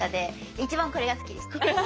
一番これが好きでした。